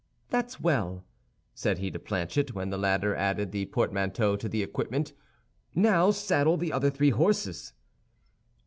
"That's well," said he to Planchet, when the latter added the portmanteau to the equipment. "Now saddle the other three horses."